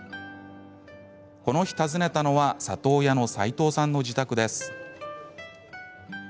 この日、訪ねたのは里親の齋藤さんの自宅です。